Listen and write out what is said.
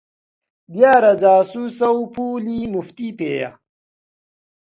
دیارە جاسووسە و پووڵی موفتی پێیە!